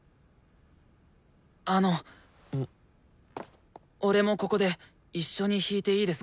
あの俺もここで一緒に弾いていいですか？